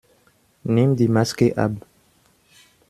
Nimm die Maske ab!